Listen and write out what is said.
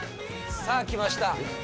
さあ、来ました。